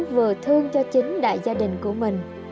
vừa thương cho chính đại gia đình của mình